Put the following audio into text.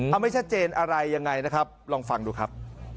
เอาไม่ชัดเจนอะไรยังไงนะครับลองฟังดูครับ